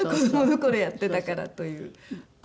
子供の頃やってたからという。